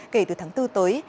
kể từ tháng bốn tới